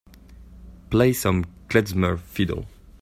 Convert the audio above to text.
Play some klezmer fiddle